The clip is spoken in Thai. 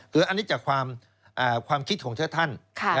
คืออันนี้จากความคิดของชาติท่าน